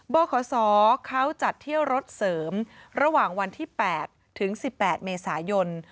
บขเขาจัดเที่ยวรถเสริมระหว่างวันที่๘ถึง๑๘เมษายน